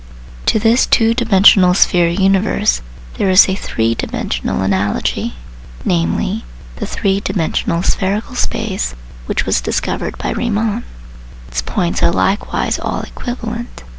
To this two dimensional sphere universe there is a three dimensional analogy, namely, the three dimensional spherical space which was discovered by Riemann. its points are likewise all equivalent.